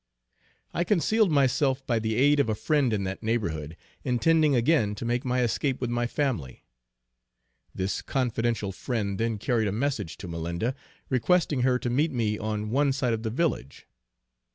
I concealed myself by the aid of a friend in that neighborhood, intending again to make my escape with my family. This confidential friend then carried a message to Malinda, requesting her to meet me on one side of the village.